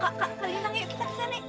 kak kalintang yuk kita ke sana